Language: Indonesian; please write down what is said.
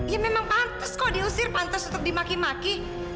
ya memang pantes kok diusir pantes untuk dimaki maki